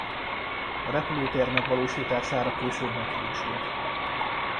A repülőtér megvalósítására később meghiúsult.